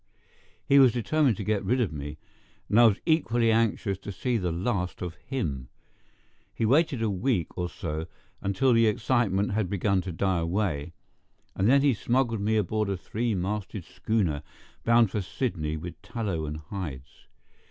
He was determined to get rid of me, and I was equally anxious to see the last of him. He waited a week or so until the excitement had begun to die away, and then he smuggled me aboard a three masted schooner bound to Sydney with tallow and hides.